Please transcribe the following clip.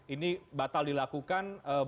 ini batal dilakukan